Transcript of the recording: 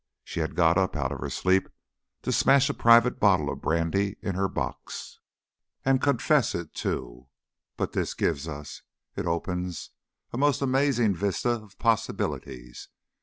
She had got up out of her sleep to smash a private bottle of brandy in her box. And to confess it too!... But this gives us it opens a most amazing vista of possibilities.